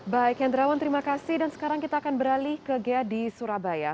baik hendrawan terima kasih dan sekarang kita akan beralih ke ghea di surabaya